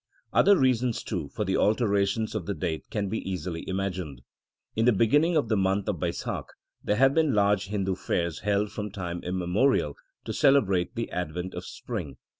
1 Other reasons, too, for the alterations of the date can easily be imagined. In the beginning of the month of Baisakh there have been large Hindu fairs held from time immemorial to celebrate the advent of spring.